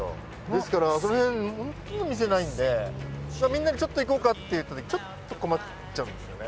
ですからあの辺ホントにお店ないんでみんなでちょっと行こうかって言った時ちょっと困っちゃうんですよね。